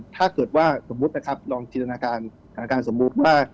ถ้าเกิดว่าสมมุติลองสินตนาการสมมุติว่า